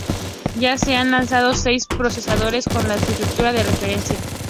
Ya se han lanzado seis procesadores con la arquitectura de referencia.